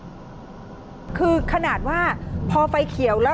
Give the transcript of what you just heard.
ก็เป็นอีกหนึ่งเหตุการณ์ที่เกิดขึ้นที่จังหวัดต่างปรากฏว่ามีการวนกันไปนะคะ